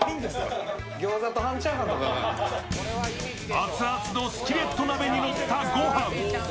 熱々のスキレット鍋にのったご飯。